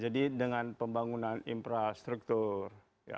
jadi dengan pembangunan infrastruktur